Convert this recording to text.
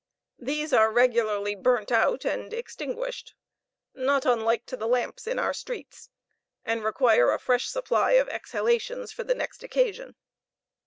These are regularly burnt out and extinguished, not unlike to the lamps in our streets, and require a fresh supply of exhalations for the next occasion.